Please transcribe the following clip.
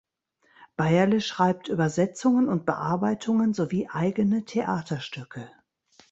Beyeler schreibt Übersetzungen und Bearbeitungen sowie eigene Theaterstücke.